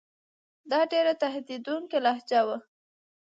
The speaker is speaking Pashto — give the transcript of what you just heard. دا ډېره تهدیدوونکې لهجه وه.